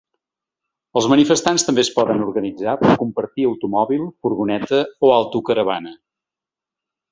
Els manifestants també es poden organitzar per compartir automòbil, furgoneta o autocaravana.